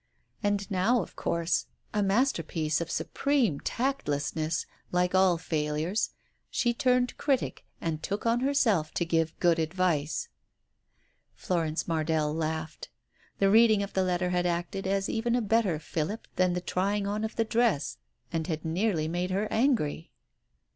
And now, of course, a masterpiece Digitized by LiOO? IC . THE OPERATION 57 of supreme tactlessness, like all failures, she turned critic and took on herself to give good advice. Florence Mardell laughed. The reading of the letter had acted as even a better fillip than the trying on of the dress, and had nearly made her angry.